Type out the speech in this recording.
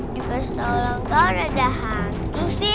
di pestalang kau ada hantu sih